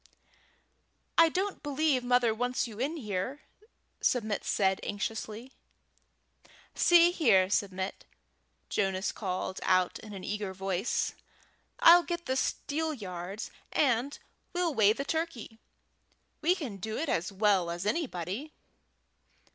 "I don't believe mother wants you in there," Submit said anxiously. "See here, Submit," Jonas called out in an eager voice, "I'll get the steelyards, and we'll weigh the turkey. We can do it as well as anybody."